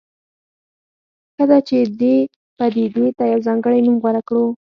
ښه ده چې دې پدیدې ته یو ځانګړی نوم غوره کړو.